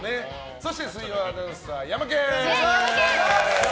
そして水曜アナウンサーヤマケン！